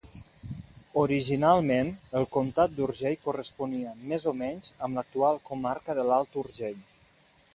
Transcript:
Originalment, el comtat d'Urgell corresponia, més o menys, amb l'actual comarca de l'Alt Urgell.